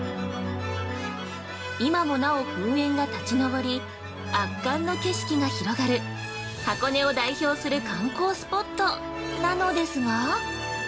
◆今もなお噴煙が立ち昇り、圧巻の景色が広がる箱根を代表する観光スポットなのですが。